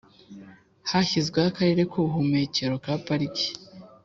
Hashyizweho akarere k ubuhumekero ka Pariki